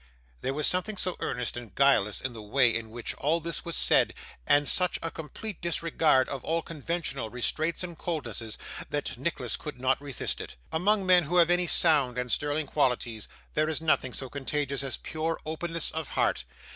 There was something so earnest and guileless in the way in which all this was said, and such a complete disregard of all conventional restraints and coldnesses, that Nicholas could not resist it. Among men who have any sound and sterling qualities, there is nothing so contagious as pure openness of heart.